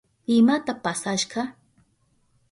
¿Imata pasashka?